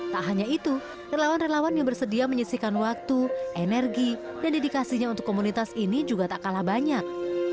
tak hanya itu relawan relawan yang bersedia menyisikan waktu energi dan dedikasinya untuk komunitas ini juga tak kalah banyak